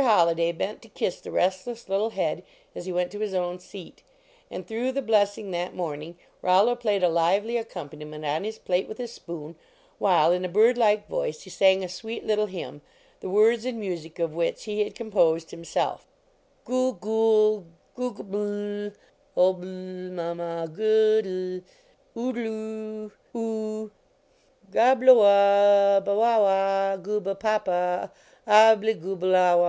Holliday bent to kiss the restless little head as he went to his own seat. And through the blessing that morning, Rollo played a lively accompani ment on his plate with his spoon, while in a bird like voice he sang a sweet little hymn, the words and music of which he had com posed himself : "Goo gool googabbl obbl ma ma goodl oodloo oo, Gobbl owa bawawa gooba papa obblj goobl awa!"